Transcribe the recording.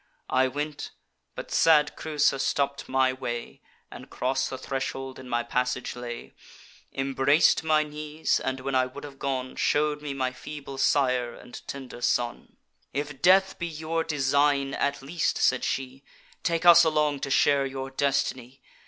I went; but sad Creusa stopp'd my way, And cross the threshold in my passage lay, Embrac'd my knees, and, when I would have gone, Shew'd me my feeble sire and tender son: 'If death be your design, at least,' said she, 'Take us along to share your destiny.